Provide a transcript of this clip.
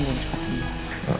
dan cepat sembuh